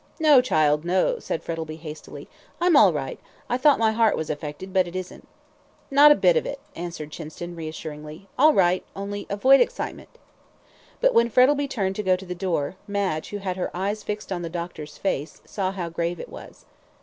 "No, child, no," said Frettlby, hastily, "I'm all right; I thought my heart was affected, but it isn't." "Not a bit of it," answered Chinston, reassuringly. "All right only avoid excitement." But when Frettlby turned to go to the door, Madge, who had her eyes fixed on the doctor's face, saw how grave it was.